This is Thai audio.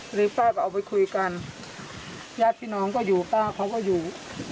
หรือป้าก็เอาไปคุยกันญาติพี่น้องก็อยู่ป้าเขาก็อยู่